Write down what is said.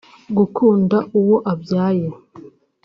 gukunda uwo abyaye